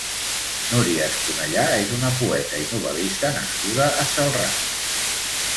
Núria Esponellà és una poeta i novel·lista nascuda a Celrà.